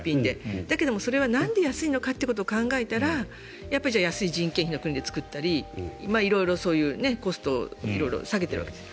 だけど、それはなんで安いのかってことを考えたら安い人件費の国で作ったりコストを色々下げているわけです。